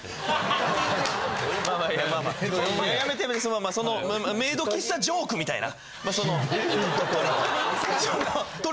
そのまあそのメイド喫茶ジョークみたいな。